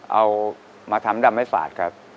เอามาทำดำให้ฝาดครับ